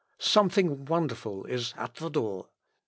Something wonderful is at the door.